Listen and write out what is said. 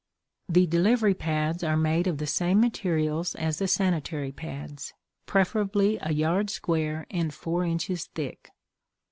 The delivery pads are made of the same materials as the sanitary pads; preferably a yard square and four inches thick.